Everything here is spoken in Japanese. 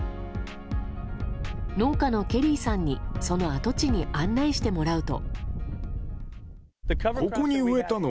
農家のケリーさんにその跡地に案内してもらうと。